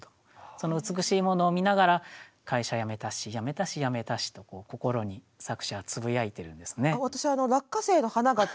その美しいものを見ながら「会社やめたしやめたしやめたし」と心に作者はつぶやいてるんですね。